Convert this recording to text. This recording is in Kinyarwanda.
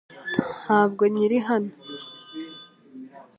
Ntabwo nkiri hano .